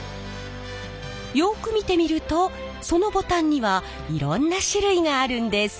よく見てみるとそのボタンにはいろんな種類があるんです。